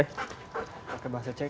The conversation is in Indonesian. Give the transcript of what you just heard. pake bahasa cek